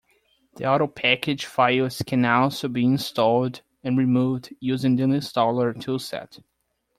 The Autopackage files can also be installed and removed using the Listaller toolset.